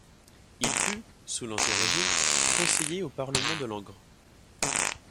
Il fut, sous l'Ancien Régime, conseiller au parlement de Langres.